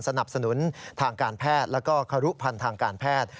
สนับสนุนทางการแพทย์แล้วก็ครุพันธ์ทางการแพทย์